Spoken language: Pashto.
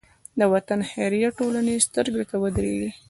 د وطن خیریه ټولنې سترګو ته ودرېدې.